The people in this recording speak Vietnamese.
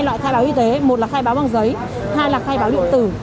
hai loại khai báo y tế một là khai báo bằng giấy hai là khai báo điện tử